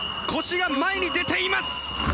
腰が前に出ています！